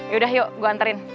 yaudah yuk gue anterin